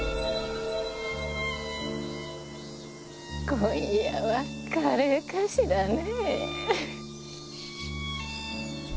今夜はカレーかしらね。